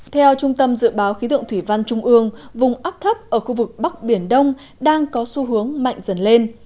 theo trung tâm dự báo khí tượng thủy văn trung ương vùng áp thấp ở khu vực bắc biển đông đang có xu hướng mạnh dần lên